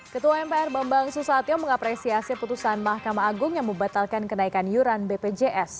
ketua mpr bambang susatyo mengapresiasi putusan mahkamah agung yang membatalkan kenaikan iuran bpjs